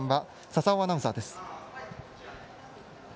佐々生アナウンサーです。